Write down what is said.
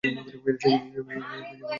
সে বাগানে মালীর কোনো অধিকার ছিল না।